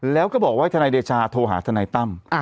แล้วก็บอกว่าทนายเดชาโทรหาทนายตั้ม